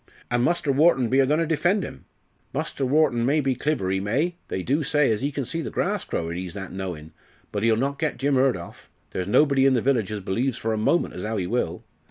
"An' Muster Wharton be a goin' to defend 'im. Muster Wharton may be cliver, ee may they do say as ee can see the grass growin', ee's that knowin' but ee'll not get Jim Hurd off; there's nobody in the village as b'lieves for a moment as 'ow he will.